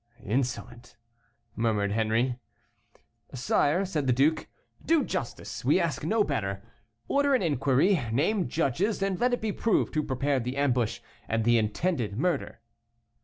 "Insolent," murmured Henri. "Sire," said the duke, "do justice; we ask no better. Order an inquiry, name judges, and let it be proved who prepared the ambush and the intended murder."